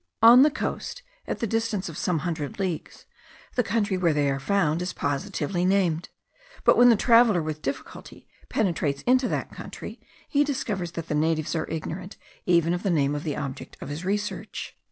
On the coast, at the distance of some hundred leagues, the country where they are found is positively named; but when the traveller with difficulty penetrates into that country, he discovers that the natives are ignorant even of the name of the object of his research.